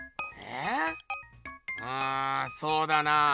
うんそうだなぁ。